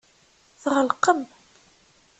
Tɣelqem.